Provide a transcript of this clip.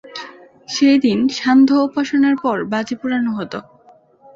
সেই দিন সান্ধ্য উপাসনার পর বাজি পোড়ানো হত।